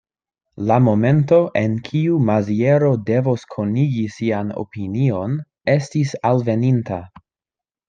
La momento, en kiu Maziero devos konigi sian opinion, estis alveninta.